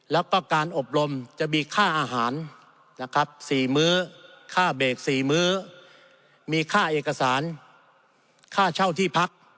แล้วก็การอบรมจะมีค่าอาหารนะครับ๔มื้อค่าเบรก๔มื้อมีค่าเอกสารค่าเช่าที่พัก